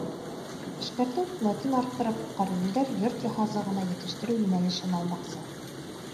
Эшкәртеү ҡеүәтен арттырып, ҡариҙелдәр йорт йыһазы ғына етештереү йүнәлешен алмаҡсы.